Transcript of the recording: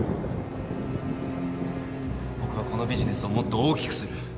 僕はこのビジネスをもっと大きくする